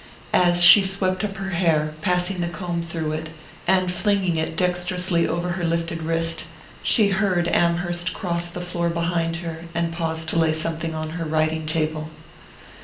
As she swept up her hair, passing the comb through it, and flinging it dexterously over her lifted wrist, she heard Amherst cross the floor behind her, and pause to lay something on her writing table.